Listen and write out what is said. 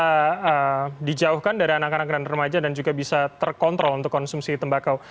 bisa dijauhkan dari anak anak dan remaja dan juga bisa terkontrol untuk konsumsi tembakau